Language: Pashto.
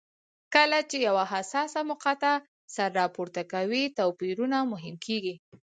کله چې یوه حساسه مقطعه سر راپورته کوي توپیرونه مهم کېږي.